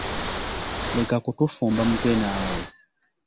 Leka kutufumba mutwe naawe.